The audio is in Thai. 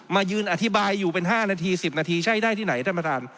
มายืนอธิบายอยู่เป็น๕นาที๑๐นาทีใช่ได้ที่ไหนท่านประธาน